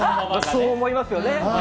そう思いますよね。